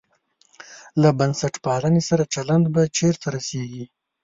له بنسټپالنې سره چلند به چېرته رسېږي.